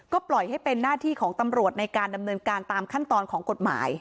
ก็ปล่อยให้เป็นหน้าที่ของตำรวจในการดำเนินการตามขั้นตอนของกฎหมาย